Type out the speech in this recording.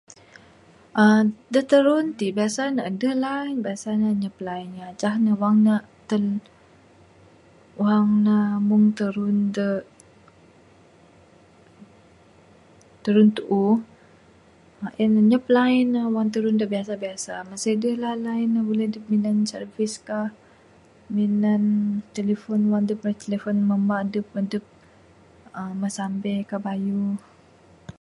uhh da tarun ti biasa ne adeh line ngajah ne wang ne wang ne meng tarun da tarun tuuh uhh en anyap line ne wang tarun da biasa biasa masih dehla line ne buleh dep minan office ka minan telephone wang dep ra telephone mamba adep adep meh sampe ka bayuh.